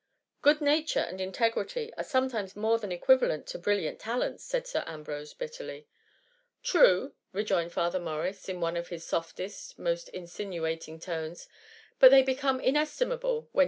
^^ Good nature and integrity are sometimes more than equivalent to brilliant talents," said Sir Ambrose bitterly. " True," rejoined Father Morris, in one of his softest, most insinuating tones ;^^ but they be come inestimable when.